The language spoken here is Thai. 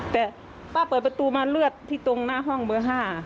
แต่ป้าเปิดประตูมาเลือดที่ตรงหน้าห้องเบอร์๕